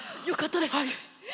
よかったです。